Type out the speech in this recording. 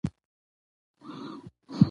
ځوانان باید له بازۍ سره مینه وکړي.